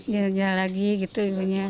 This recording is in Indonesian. jalan jalan lagi gitu